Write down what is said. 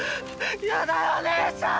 やだよ姉ちゃん！